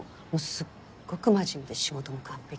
すっごく真面目で仕事も完璧。